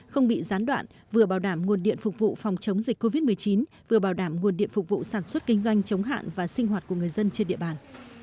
không bị gián đoạn vừa bảo đảm nguồn điện phục vụ phòng chống dịch covid một mươi chín vừa bảo đảm nguồn điện phục vụ sản xuất kinh doanh chống hạn và sinh hoạt của người dân trên địa bàn